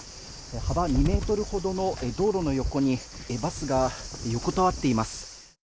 幅２ｍほどの道路の横にバスが横たわっています。